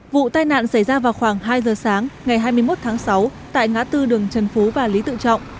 vụ tai nạn xảy ra vào khoảng hai giờ sáng ngày hai mươi một tháng sáu tại ngã tư đường trần phú và lý tự trọng